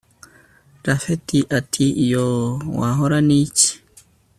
japhet ati yooooh wahora niki